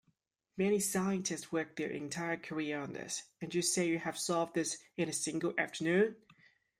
Many scientists work their entire careers on this, and you say you have solved this in a single afternoon?